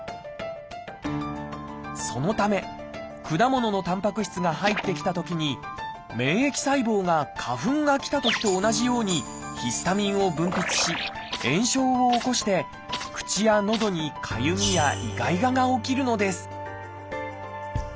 そのため果物のたんぱく質が入ってきたときに免疫細胞が花粉が来たときと同じようにヒスタミンを分泌し炎症を起こして口や喉にかゆみやイガイガが起きるのです